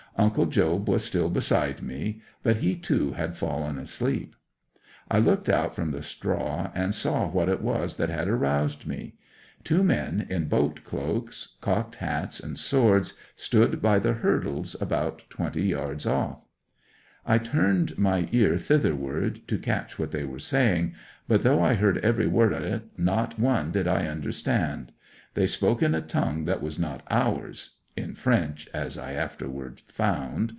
Uncle Job was still beside me; but he too had fallen asleep. I looked out from the straw, and saw what it was that had aroused me. Two men, in boat cloaks, cocked hats, and swords, stood by the hurdles about twenty yards off. 'I turned my ear thitherward to catch what they were saying, but though I heard every word o't, not one did I understand. They spoke in a tongue that was not ours—in French, as I afterward found.